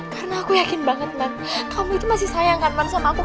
karena aku yakin banget man kamu itu masih sayangkan man sama aku